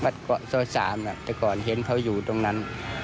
เกาะซอย๓แต่ก่อนเห็นเขาอยู่ตรงนั้น